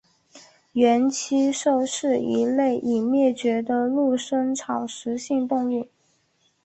厚膝兽是一类已灭绝的陆生草食性动物。